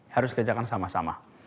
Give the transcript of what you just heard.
harus kerjakan sama sama